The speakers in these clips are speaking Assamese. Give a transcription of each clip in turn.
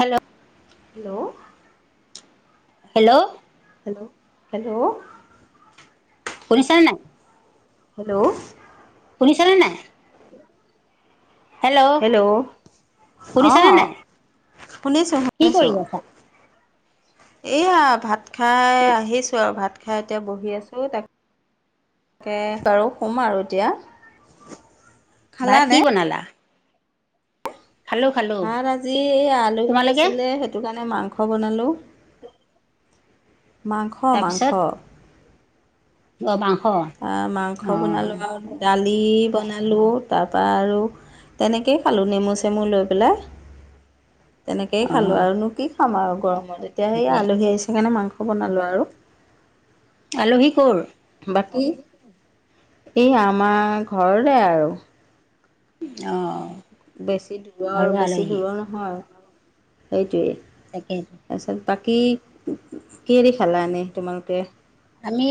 Hello? Hello? Hello? Hello hello? শুনিছা নে নাই? হেল্ল'? শুনিছা নে নাই? হেল্ল'? শুনিছানে অঁ নাই? শুনিছোঁ কি কৰি শুনিছোঁ আছা? এইয়া ভাত খাই আহিছোঁ আৰু ভাত খাই এতিয়া বহি আছো তাক কে বাৰু শুম আৰু এতিয়া। ভাত খালানে কি বনালা? খালো। খালো ভাত আজি এই আলহী তোমালোকে আছিলে সেইটো কাৰণে মাংস বনালো। মাংস - মাংস। তাৰপিছত অ মাংস। আ মাংস অ বনালো আৰু নে দালি বনালোঁ তাৰপৰা আৰু তেনেকেই খালোঁ নেমু - চেমু লৈ পেলাই। [inaudible] তেনেকেই অ খালো আৰুনো কি খাম আৰু গৰমত এতিয়া সেই তাকে আলহী আহিছে কাৰণে মাংস বনালো আৰু। আলহী কৰ? বাকী? এই আমাৰ ঘৰতে আৰু। অ অ। বেছি দূৰৰ বেছি দূৰৰ নহয় সেইটোৱেই। তাকেইটো। তাৰপিছত বাকী কিদি খালা এনেই তোমালোকে? আমি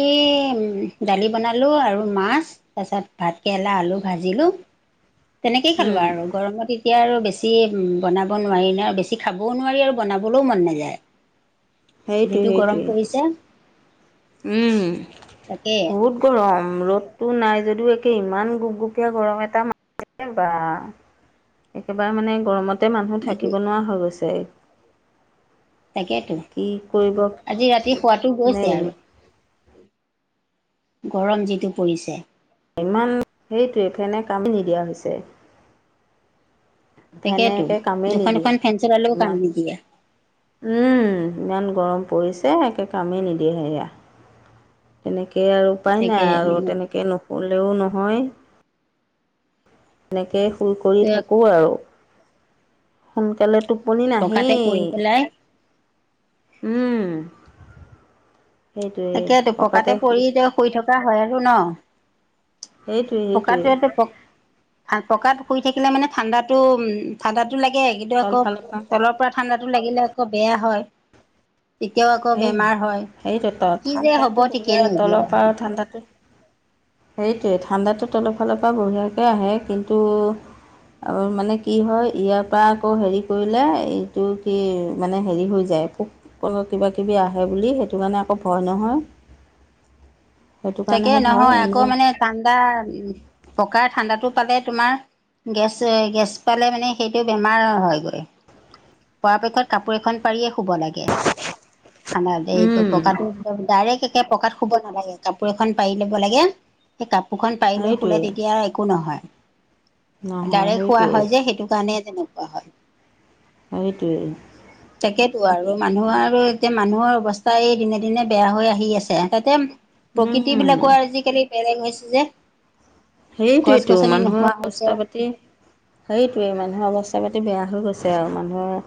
উম দালি বনালো আৰু মাছ তাৰ পিছত ভাত কেৰেলা, আলু ভাজিলো তেনেকেই খালো উম আৰু গৰমত এ তিয়া আৰু বেছি বনাব নোৱাৰি ন, বেছি খাবও নোৱাৰি আৰু বনাবলৈও মন নাযায়। সেইটোৱে যিটো গৰম সেইটোৱে পৰিছে। উম তাকে বহুত গলম, ৰ'দটো নাই যদিও একে ইমান গুপগুপীয়া গৰম এটা মা ছে বা! একেবাৰে মানে গৰমতে মানুহ আজি থাকিব নোৱাৰা হৈ গৈছে। তাকেইতো, কি কৰিব আজি ৰাতি শুৱাটো মানে গৈছে আৰু। গৰম যিটো পৰিছে। ইমান, সেইটোৱে ফেনে কামে নিদিয়া হৈছে। ফেনে তাকেতো একে কামেই দুখন নিদিয়ে দুখন ফেন চলালেও কাম ইমান নিদিয়ে উম, ইমান গৰম পৰিছে একে কামেই নিদিয়ে সেয়া। তেনেকে আৰু উপায় নাই তাকে আৰু তেনেকে নুশুলেও নহয়। এনেকে সুৰ ত কৰি থাকো আৰু সোনকালে টোপনি পকাতে নাহেই। পৰি পেলাই উম, সেইটোৱে তাকেতো পকাতে শুল পৰি এতিয়া শুই থকা হয় আৰু ন? সেইটোৱেই সেইটোৱেই পকাটোৱেতে প ফা পকাত শুই থাকিলে মানে ঠাণ্ডাতো উম ঠাণ্ডাত লাগে কিন্তু আকৌ তলৰ পৰা ঠাণ্ডা লাগিলে আকৌ বেয়া হয় তেতিয়াও আকৌ সেই বেমাৰ হয় সেইটো ত কি যে হ'ব ঠাণ্ডাতটো ঠিকেই বঢ়িয়া নাইকিয়া তলৰ পৰা আৰু ঠাণ্ডাতো সেইটোৱে ঠাণ্ডাটো তলৰ ফালৰ পৰা বঢ়িয়াকৈ আহে কিন্তু আৰু মানে কি হয় ইয়াৰ পৰা আকৌ হেৰি কৰিলে এইটো কি মানে হেৰি হৈ যায় পোক অ কিবা কিবি আহে বুলি সেইটো কাৰণে আকৌ ভয় নহয়। সেইটো তাকে কাৰণেহে ভয় নহয় আকৌ এনেই মানে ঠাণ্ডা পকা ঠাণ্ডাতো পালে তোমাৰ গেছ গেছ পালে মানে সেইটো বেমাৰ হয়গৈ। পৰাপেক্ষত কাপোৰ এখন পাৰিয়ে শুব লাগে। ঠাণ্ডা এই উম, পকাটো ডাইৰেক্ট একে পকাত শুব নালাগে কাপোৰ এখন পাৰি ল'ব লাগে সেই কাপোৰখন পাৰি লৈ সেইটোৱে শুলে তেতিয়া একো নহয়। নহয় ডাৰেক্ খোৱা সেইটোৱেই হয় যে সেইটো কাৰণে তেনেকুৱা হয়। সেইটোৱেই। উ তাকেতো আৰু মানুহ আৰু এতিয়া মানুহৰ অৱস্থাই দিনে দিনে বেয়া হৈ আহি আছে তাতে প্ৰকৃতি বিলাকো আজিকালি বেৰেং হৈছে যে। গছ সেইটোোৱয়তো গছনি মানুহৰ নোহোৱা হৈছে অৱস্থা পাতি সেইটোৱেই মানুহৰ অৱস্থা পাতি বেয়া হৈ গৈছে আৰু মানুহৰ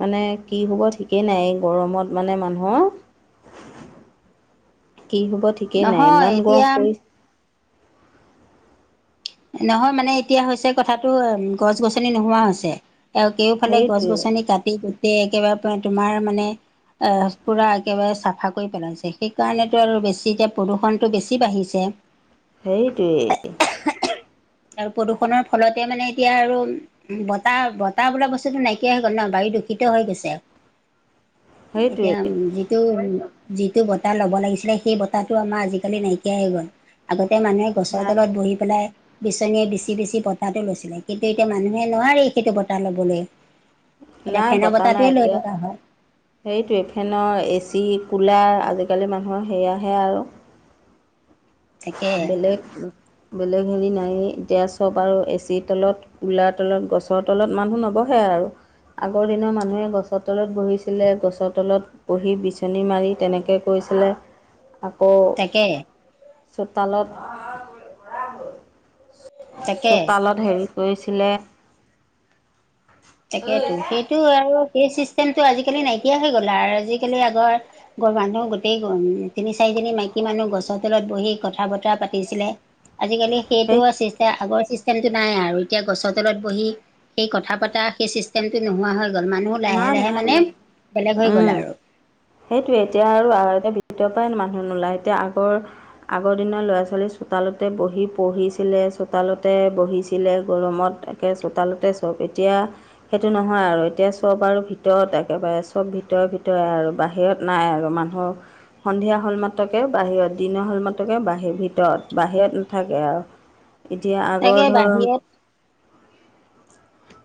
মানে কি হ'ব ঠিকেই নাই গৰমত মানে মানুহৰ। কি হব ঠিকেই নাই নহয় ইমান এতিয়া গৰম পৰি নহয় মানে এতিয়া হৈছে কথাটো গছ গছনি নোহোৱা হৈছে। আৰু কেওফালে গছ সেইটোৱে গছনি কাটি গোটেই একেবাৰে তোমাৰ মানে পূৰা একেবাৰে চাফা কৰি পেলাইছে সেইকাৰণেতো আৰু বেছি এতিয়া প্ৰদূষণটো বেছি বাঢ়িছে। সেইটোৱেই। আৰু প্ৰদূষণৰ ফলতে মানে এতিয়া আৰু উ বতাহ বতাহ বোলা বস্তুতটো নাইকিয়া হৈ গ'ল ন বাৰী দূষিত হৈ গৈছে। সেইটোৱে এতিয়া যিটো বতাহ ল'ব লাগিছিলে সেই বতাহটো আমাৰ আজিকালি নাইকিয়া হৈ গ'ল। আগতে মানুহে গছৰ নাই তলত বহি পেলাই বিচনীয়ে বেছি বেছি বতাহটো লৈছিলে কিন্তু এতিয়া মানুহে নোৱাৰে এই সেইটো বটাহ লবলৈ। এতিয়া ফেনৰ বতাহটোৱে লৈ থকা হয়। সেইটোৱেফেনৰ এ চি কুলাৰ আজিকালি মানুহৰ সেয়াহে আৰু। তাকে বেলেগ বেলেগ হেৰি নাই এতিয়া চব আৰু এচি তলত কোলাৰ তলত গছৰ তলত মানুহ নবহে আৰু আগৰ দিনৰ মানুহে গছৰ তলত বহিছিলে গছৰ তলত পুহি বিচনী মাৰি তেনেকৈ কৰিৈছিলে আকৌ তাক চোতালত। তাকে। চোতালত হেৰি কৰিছিলে। তাকেতো সেইটো আৰু কে চিষ্টেমটো আজিকালি নাইকিয়া হৈ গ'ল আৰু আজিকালি আগৰ গ মানুহ গোটেই উম তিনি চাৰিজনী মাইকী মানুহ গছৰ তলত বহি কথা বতৰা পাতিছিলে আজিকালি সেই সেইটোিষ্টম আগৰ চিষ্টেমটো নাই আৰু এতিয়া গছৰ তলত বহি সেই কথা পতা সেই চিষ্টেমটো নোহোৱা হৈ গ'ল মানুহ লাহে নাই লাহে নাই মানে নাই বেলেগ হৈ গ'ল আৰু। সেইটোোৱে এতিয়া আৰু এতিয়া বিায় মানুহ নোলায় এতিয়া আগৰ আগৰ দিনৰ ল'ৰা ছোৱালী চোতালতে বহি পঢ়িছিলে চোতালতে বহিছিলে গৰমত চোতালতে চব এতিয়া সেইটো নহয় আৰু এতিয়া চব আৰু ভিতৰত একেবাৰে চব ভিতৰে ভিতৰে আৰু বাহিৰত নাই আৰু মানুহ সন্ধিয়া হ'ল মাতকে বাহিৰত দিনৰ হ'ল মাতকে বাহিৰ ভিতৰত বাহিৰত নাথাকে আৱ [inaudible] এতিয়া আগৰ তাকে ধৰ বাহিৰত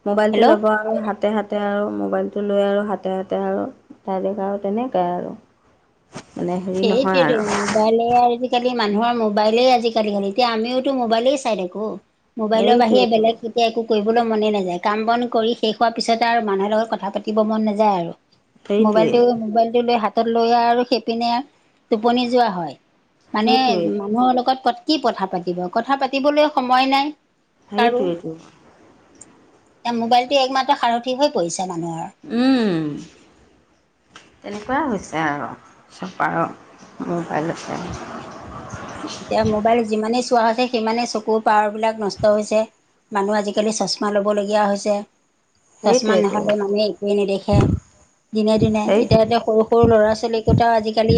মোবাইলটো হেল্ল' ল'ব আৰু হাতে হাতে আৰু মোবাইলটো লৈ আৰু হাতে হাতে আৰু ডাইৰেক আৰু তেনেকাই আৰু মানে হেৰি নহয় আৰু এইকেইদিন মোবাইলে আজিকালি মানুহৰ মোবাইলেই আজিকালি খালি এতিয়া আমিওতো মোবাইলেই চাই থাকো মোবাইলৰ বাহিৰে সেইটোৱেইটো বলেগ কি এতিয়া একো কৰিবলৈ মনে নাযায় কাম বন কৰি শেষ হোৱাৰ পিছতে আৰু মানুহৰ লগত কথা পাতিব মন নাযায় আৰু সেইটোৱেই মোবাইলটো মোবাইলটো লৈ হাতত লৈ আৰু আৰু সেপিনে টোপনি যোৱা হয় মানে সেইটোৱেই মানুহৰ লগত কথ কি কথা পাতিব কথা পাতিবলৈ সময় নাই কাৰো সেইটোৱেইটো এতিয়া মোবাইলটো একমাত্ৰ সাৰথি হৈ পৰিছে মানুহৰ উম তেনেকুৱাই হৈছে আৰু চাপাৰৰ মোবাইল পৰাই এতিয়া মোবাইল যিমানেই চোৱা হৈছে সিমানেই চকুৰ পাৱাৰ বিলাক নষ্ট হৈছে মানুহ আজিকালি চশমা ল'বলগীয়া হৈছে চশমা সেইটোৱেইটো নহ'লে মানুহে একোৱেই নেদেখে দিনে দিনে এতিয়া সেইটোৱে এতিয়া সৰু সৰু ল'ৰা ছোৱালীগোটাও আজিকালি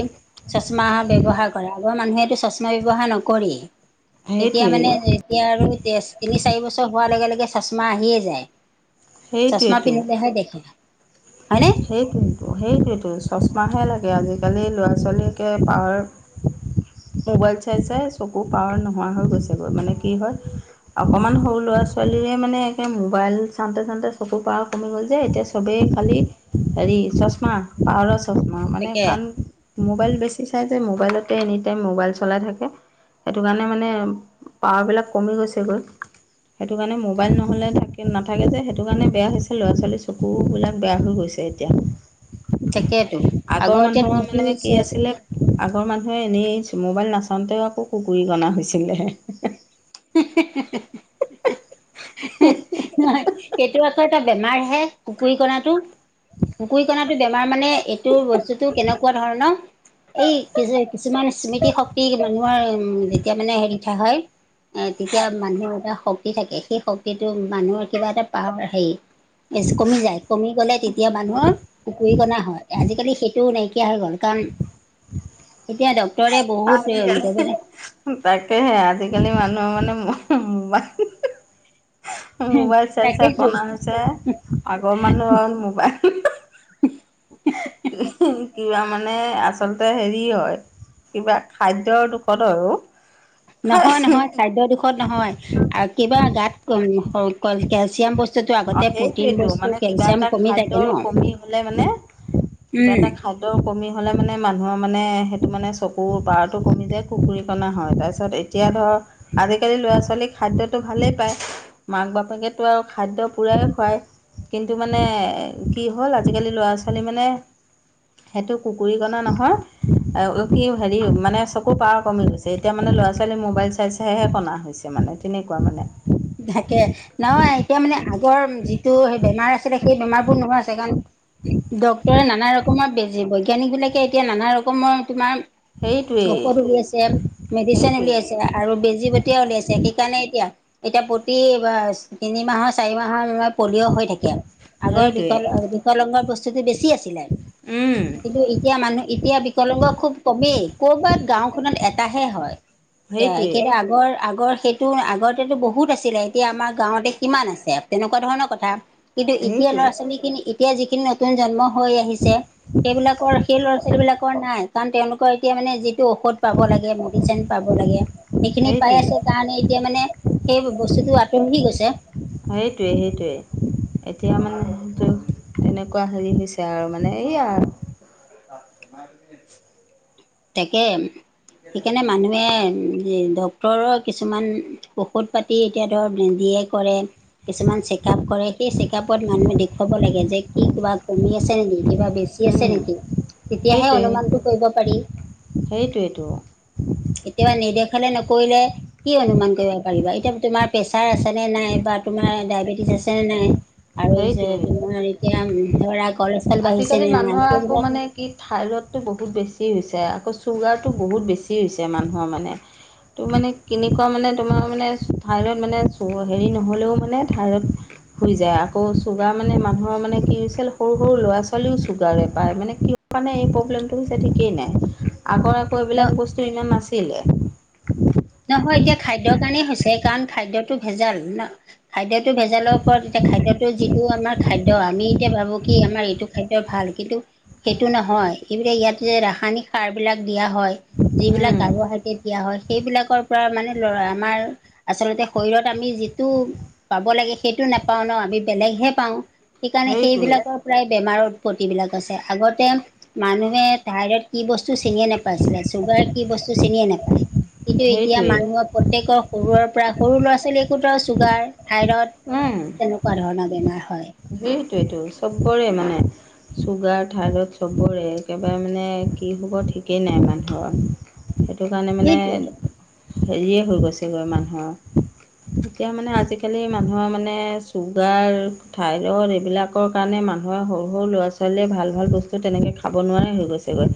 চশমা ব্যৱহাৰ কৰে আগৰ মানুহেটো চশমা ব্যৱহাৰ নকৰেই এতিয়া সেইটোৱেই মানে যে যেতিয়া আৰু তে তিনি, চাৰি বছৰ হোৱাৰ লগে লগে চশমা আহিয়ে যায় চশমা পিন্ধিলেহে দেখে হয়নে সেইটোৱে সেইটোৱতো চশমাহে লাগে আজিকালি ল'ৰা ছোৱালীকে পাৱাৰ মোবাইল চাই চাই চকু পাৱাৰ নোহোৱা হৈ গৈছেগৈ মানে কি হয় অকণমান সৰু ল'ৰা-ছোৱালীৰে মানে একে মোবাইল চাওঁতে চাওঁতে চকু পাৱাৰ কমি গ'ল যে এতিয়া চবেই খালি হেৰি চশমা পাৱাৰৰ চশমা মানে তাকে কণ মোবাইল বেছি চাই যে মোবাইলতে এনি টাইম মোবাইল চলাই থাকে সেইটো কাৰণে মানে পাৱাৰবিলাক কমি গৈছেগৈ সেইটো কাৰণে মোবাইল নহ'লে থাকে নাথাকে যে সেইটো কাৰণে বেয়া হৈছে ল'ৰা-ছোৱালী চকুবিলাক বেয়া হৈ গৈছে এতিয়া তাকেতো আগৰ এতিয়া মানুহৰ টিভি মানে কি আছিলে আগৰ মানুহে এনেই মোবাইল নাচাওঁতে আকৌ কুকুৰী কনা হৈছিলে হে হে সেইটো আকৌ এটা বেমাৰ হে কুকুৰী কণাটো কুকুৰিকণাটো বেমাৰ মানে এইটো বস্তুটো কেনেকুৱা ধৰণ এই কিযে কিছুমান স্মৃতি শক্তি মানুহৰ উম তেতিয়া মানে হেৰি থা হয় এ তেতিয়া মানুহ এটা শক্তি থাকে সেই শক্তিটো মানুহৰ কিবা এটা পাৱাৰ হেৰি মিছ কমি যায় কমি গ'লে তেতিয়া মানুহৰ কুকুৰী কণা হয় আজিকালি সেইটো নাইকিয়া হৈ গ'ল কাৰণ এতিয়া ডক ডক্টৰে আজিকালি বহুত তাকেহে আজিকালি মানুহৰ মানে মোবাইল মোবাইল চাই চাই তাকেতো কণা হৈছে আগৰ মানুহ মোবাইল উম কিবা মানে আচলতে হেৰি হয় কিবা খাদ্যৰ দুখতো হয়ও। নহয় নহয়, খাদ্য দুখত নহয় আৰু কিবা গাত কম হ কল কেলচিয়াম বস্তুটো অ আগতে প্ৰটিন সেইটোৱেইটো বস্তু, মানে কিবা কেলচিয়াম এটা কমি থাকে ন। খাদ্যৰ কমি হ'লে মানে কিবা উম এটা খা দ্যৰ কমি হ'লে মানে মানুহৰ মানে সেইটো মানে চকুৰ পাৰটো কমি যায়, কুকুৰীকণা হয় তাৰপিছত এ এতিয়া ধৰ, আজিকালি ল'ৰা - ছোৱালী খাদ্যটো ভালেই পায়, মাক - বাপেকেতো আৰু খাদ্য পুৰাই খুৱায় কিন্তু মানে কি হ'ল আজিকালি ল'ৰা - ছোৱালী মানে সেইটো কুকুুৰীকণা নহয়, এ অ কি হেৰি মানে চকুৰ পাৱাৰ কমি গৈছ তে এতিয়া মানে ল'ৰা - ছোৱালী মোবাইল চাই চাইহে কনা হৈছে মানে তেনেকুৱা মানে। ধাকে, নহয় এতিয়া মানে আগৰ যিটো সেই বেমাৰ আছিলে সেই বেমাৰবোৰ নোহোৱা হৈছে কাৰণ ডক্তৰে নানা ৰকমৰ বেজি, বৈজ্ঞানিকবিলাকে এতিয়া নানা ৰকমৰ তোমাৰ সেইটোৱেই ঔষধ উলিয়াইছে, মেডিচিন সেইটোৱেই উলিয়াইছে আৰু বেজী বটীয়া উলিয়াইছে সেইকাৰণে এতিয়া এতিয়া প্ৰতি বাচ তিনিমাহৰ - চাৰিমাহৰ লগত পলিঅ' হৈ থাকে, আগৰ সেইটোৱেই বিক - বিকলংগৰ বস্তুটো বেছি আছিলে। উম। কিন্তু এতিয়া মানুহ এতিয়া বিকলংগ খুব কমেই, ক'ৰবাত গাঁওখনত এটাহে হয়। কে সেইটোৱেই একেটা আগৰ - আগৰ সেই তোৰ আগতেতো বহুত আছিলে এতিয়া আমাৰ গাঁৱতে কিমান আছে তেনেকুৱা ধৰণৰ কথা। কিন্তু এতিয়া ল'ৰা সেইটোৱেই - ছোৱালীখিনি এতিয়া যিখিনি নতুন জন্ম হৈ আহিছে সেইবিলাকৰ সেই ল'ৰা - ছোৱালীবিলাকৰ নাই কাৰণ তেওঁলোকৰ এতিয়া মানে যিটো ঔষধ পাব লাগে, মেডিচিন পাব লাগে সেইখিনি পাই সেইটোৱেই আছে কাৰণে এতিয়া মানে সেই বস্তুটো আঁতৰিহি গৈছে। সেইটোৱে - সেইটোৱে এতিয়া মানে যোন তেনেকুৱা হেৰি হৈছে আৰু মানে এইয়া তাকে সেইকাৰণে মানুহে এন যি ডক টৰৰ কিছুমান ঔষধ পাতি এতিয়া ধৰ বৃদ্ধিয়ে কৰে। কিছুমান চেকআপ কৰে সেই চেকআপত মানুহে দেখুৱাব লাগে যে কি কিবা কমি আছে নেকি? কিবা বেছি আছে উম নেকি? তেতিয়াহে অনুমানটো কৰিব পাৰি। সেইটোৱেইতো। কেতিয়াবা নেদেখিলে নকৰিলে কি অনুমান কৰিব পাৰিবা এতিয়া তোমাৰ প্ৰেচাৰ আছে নে নাই বা তোমাৰ ডায়বেটিছ আছে নে নাই আৰু যে সেইটোৱে তোমাৰ এতিয়া ধৰা কলস্থাল বাঢ়িছে আজিকালি নে নাই মানুহৰ আকৌ সেইবিলাক মানে কি থাইৰইডটো বহুত বেছি হৈছে আকৌ চুগাৰটো বহুত বেছি হৈছে মানুহৰ মানে তো মানে কেনেকুৱা মানে তোমাৰ মানে থাইৰইড মানে চ হেৰি নহ'লেও মানে থাইৰইড হৈ যায় আকৌ চুগাৰ মানে মানুহৰ মানে কি হৈছিল সৰু সৰু ল'ৰা - ছোৱালীও চুগাৰে পায় মানে কি মানে এই প্ৰব্লেমটো হৈছে ঠিকেই নাই। আগৰ ন হৈবিলাক বস্তু ইমান নাছিলে। নহয় এতিয়া খাদ্যৰ কাৰণেই হৈছে কাৰণ খাদ্যটো ভেজাল ন, খাদ্য টো ভেজালৰ ওপৰত এতিয়া খাদ্যটো যিটো আমাৰ খাদ্য, আমি এতিয়া ভাবো কি আমাৰ এইটো খাদ্যয় ভাল কিন্তু সেইটো নহয় এইবিলাক ইয়াত যে ৰাসায়নিক সাৰবিলাক দিয়া হয় যিবিলাক উম কাৰ্বহাইড্ৰেট দিয়া হয় সেইবিলাক তাৰপৰা মানে লৰা, আমাৰ আচলতে শৰীৰত আমি যিটো পাব লাগে সেইটো নেপাও ন, আমি বেলেগহে পাও সেইকাৰণে সেইটোৱেই সেইবিলাকৰ প্ৰায় বেমাৰৰ উৎপত্তিবিলাক আছে, আগতে মানুহে থাইৰড কি বস্তু চিনিয়ে নেপাইছিলে চুগাৰ কি বস্তু চিনিয়ে নাপায়। কিন্তু এতিয়া সেইটোৱেই মানুহৰ প্ৰত্যেকৰ সৰুৰ পৰা সৰু ল'ৰা ছোৱালী একোটাও ছুগাৰ, থাইৰড - উম তেনেকুৱা ধৰণৰ বেমাৰ হয়। সেইটোৱে টো চবৰে মানে। ছুগাৰ থাইৰইড চবৰে একেবাৰে মানে কি হ'ব ঠিকেই নাই মানুহৰ। সেইটো কাৰণে মানে সেইটোৱেটো হেৰিয়ে হৈ গৈছেগৈ মানুহৰ। এতিয়া মানে আজিকালি মানুহৰ মানে চুগাৰ - থাইৰড এইবিলাকৰ কাৰণে মানুহৰ সৰু সৰু ল'ৰা ছোৱালীয়ে ভাল ভাল বস্তু তেনেকে খাব নোৱাৰে হৈ গৈছে গৈ।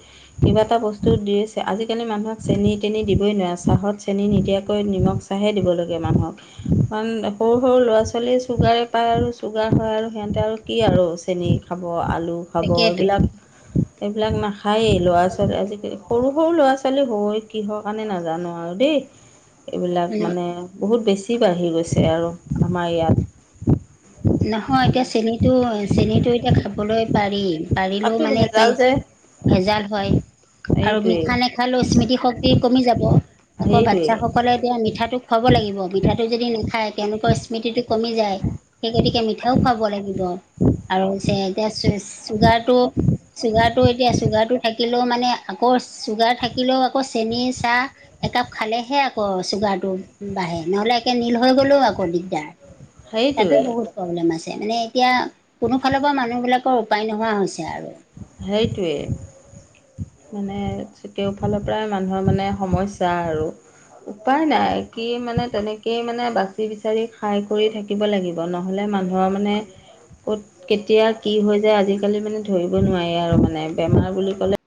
কিবা এটা বস্তু দি আজিকালি মানুহক চেনি তেনি দিবই নোৱাৰে চাহত চেনি নিদিয়াকৈ নিমখ - হে দিব লাগে মানুহক, কাৰণ সৰু সৰু ল'ৰা-ছোৱালীৰ চুগাৰে পাই আৰু - চুগাৰ হয় আৰু সিহঁতে আৰু কি আৰু চেনি খাব আলু খাব এইবিলাক তাকেইতো - সেইবিলাক নাখায়েই ল'ৰা-ছোৱালী আজিকালি সৰু সৰু ল'ৰা-ছোৱালী হয় কিহৰ কাৰণে নাজানো আৰু দেই। [inaudible] এইবিলাক মানে বহুত বেছি বাঢ়ি গৈছে আৰু আমাৰ ইয়াত। নহয় এতিয়া মানে চেনীটো চেনীটো এতিয়া খাবলৈ পাৰি, পাৰিলেও তাতো মানে কি? ভেজাল যে ভেজাল হয়। আৰু এইটোৱেই মিঠা নেখালেও স্মৃতি শক্তি কমি যাব আকৌ বাচ্ছা সেইটোৱেই সক- হলে এতিয়া মিঠাটো খুৱাব লাগিব মিঠাটো যদি নাখায় তেওঁলোকৰ স্মৃতিটো কমি যায়। সেই গতিকে মিঠাও খাব লাগিব আৰু এতিয়া চুগাৰটো - চুগাৰটো এতিয়া চুগাৰটো থাকিলেও মানে আকৌ চুগাৰ থাকিলেও আকৌ চেনি চাহ- একাপ খালেহে আকৌ চুগাৰ টো বাঢ়ে নহলে একে নীল হৈ গলেও আকৌ দিগদাৰ। তাতো সেইটোৱেই বহুত প্ৰব্লেম আছে মানে এতিয়া কোনো ফালৰ পৰা মানুহ বিলাকৰ উপায় নোহোৱা হৈছে আৰু। সেইটোৱে। মানে কেওফালৰ পৰাই মানুহৰ মানে সমস্যা আৰু। উপায় নাই কি, মানে তেনেকেই মানে বাচি বিচাৰি খাই কৰি থাকি - থাকিব লাগিব, নহ'লে মানুহৰ মানে ক'ত কেতিয়া কি হৈ যায় আজিকালি মানে ধৰি - ব নোৱাৰি আৰু মানে বেমাৰ বুলি ক'লে -